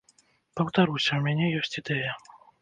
Паўтаруся, у мяне ёсць ідэя.